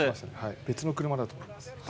別の車だと思います。